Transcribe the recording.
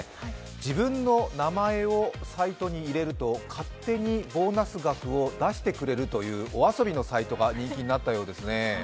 自分の名前をサイトに入れると勝手にボーナス額を出してくれるというお遊びのサイトが人気になったようですね。